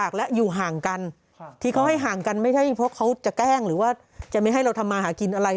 จะแก้งหรือว่าจะไม่ให้ทำมาหากินอะไร